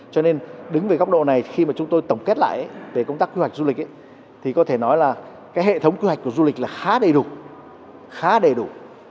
cho nên đứng về góc độ này khi mà chúng tôi tổng kết lại về công tác quy hoạch du lịch thì có thể nói là cái hệ thống quy hoạch của du lịch là khá đầy đủ khá đầy đủ